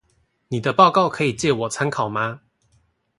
妳的報告可以借我參考嗎？